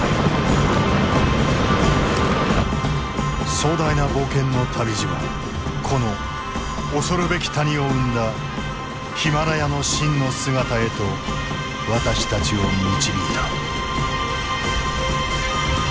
壮大な冒険の旅路はこの恐るべき谷を生んだヒマラヤの真の姿へと私たちを導いた。